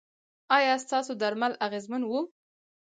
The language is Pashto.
ایا ستاسو درمل اغیزمن وو؟